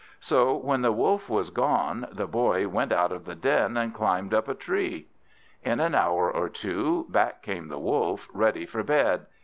So when the Wolf was gone, the Boy went out of the den, and climbed up a tree. In an hour or two back came the Wolf, ready for bed.